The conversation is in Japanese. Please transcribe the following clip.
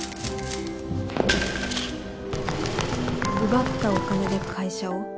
奪ったお金で会社を？